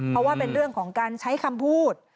เพราะว่าเป็นเรื่องของการใช้คำพูด